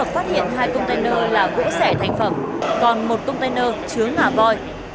container chứa ngả voi